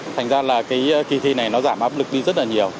thành ra là cái kỳ thi này nó giảm áp lực đi rất là nhiều